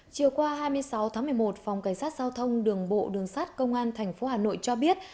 chiều qua hai mươi sáu tháng một mươi một phòng cảnh sát giao thông đường bộ đường sát công an tp hà nội cho biết